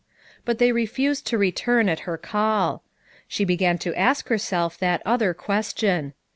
But they refused to return at her call. She began to ask herself that other question.